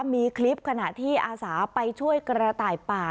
มีคลิปขณะที่อาสาไปช่วยกระต่ายป่า